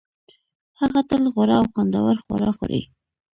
هغه تل غوره او خوندور خواړه خوري